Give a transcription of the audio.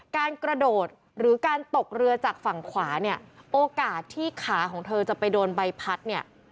การกระโดดหรือการตกเรือจากฝั่งขวาเนี่ยโอกาสที่ขาของเธอจะไปโดนใบพัดเนี่ย